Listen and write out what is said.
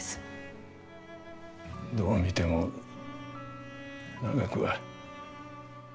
どう見ても長くは。